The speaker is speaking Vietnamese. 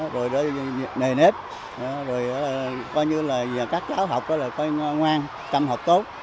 rồi nề nếp rồi coi như là các cháu học là coi ngoan tâm học tốt